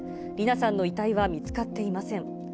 理奈さんの遺体は見つかっていません。